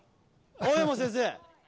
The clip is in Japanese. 青山先生！